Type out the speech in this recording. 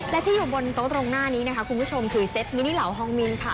และที่อยู่บนโต๊ะตรงหน้านี้นะคะคุณผู้ชมคือเซตมินิเหล่าฮองมินค่ะ